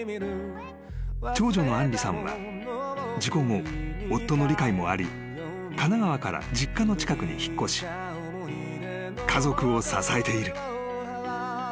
［長女の杏梨さんは事故後夫の理解もあり神奈川から実家の近くに引っ越し家族を支えている］